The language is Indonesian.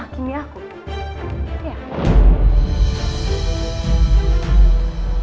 yuk kalo kamu ada terus